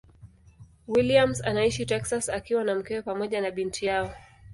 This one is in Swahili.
Williams anaishi Texas akiwa na mkewe pamoja na binti yao.